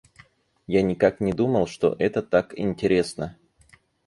Я никак не думал, что это так интересно!